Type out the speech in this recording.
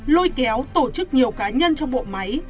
lôi kéo tổ chức nhiều cá nhân trong bộ máy